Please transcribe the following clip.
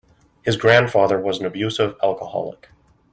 His grandfather was an abusive alcoholic.